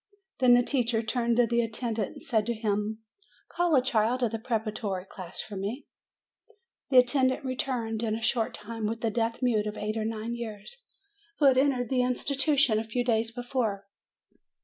Then the teacher turned to the attendant and said to him : "Call a child of the preparatory class for me." The attendant returned, in a short time, with a deaf mute of eight or nine years, who had entered the institution a few days before.